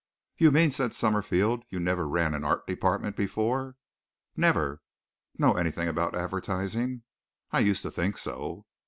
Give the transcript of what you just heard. "You mean," said Summerfield, "you never ran an art department before?" "Never." "Know anything about advertising?" "I used to think so."